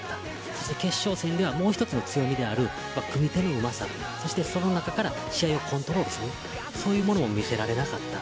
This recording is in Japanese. そして決勝戦ではもう１つの強みである組み手のうまさそしてその中から試合をコントロールするそういうものを見せられなかった。